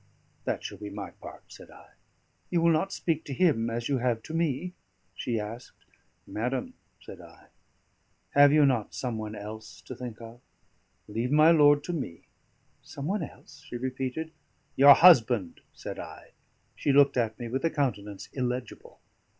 "That shall be my part," said I. "You will not speak to him as you have to me?" she asked. "Madam," said I, "have you not some one else to think of? Leave my lord to me." "Some one else?" she repeated. "Your husband," said I. She looked at me with a countenance illegible.